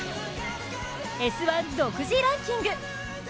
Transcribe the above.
「Ｓ☆１」独自ランキング。